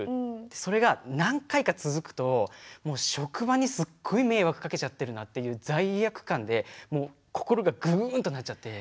それが何回か続くともう職場にすっごい迷惑かけちゃってるなっていう罪悪感でもう心がグンっとなっちゃって。